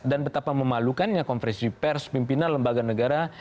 dan betapa memalukannya konferensi pers pimpinan lembaga negara